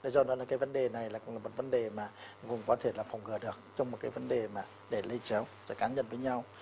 do đó là cái vấn đề này cũng là một vấn đề mà gồm có thể là phòng ngừa được trong một cái vấn đề mà để lây chéo cá nhân với nhau